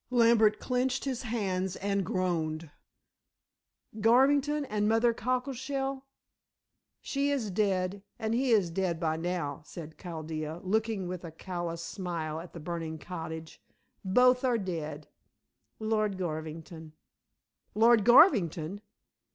Lambert clenched his hands and groaned, "Garvington and Mother Cockleshell?" "She is dead and he is dead by now," said Chaldea, looking with a callous smile at the burning cottage, "both are dead Lord Garvington." "Lord Garvington?"